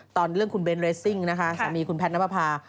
ตอนเรื่องคุณเบนเรสซิ่งนะคะสามีคุณแพทย์น้ำประพา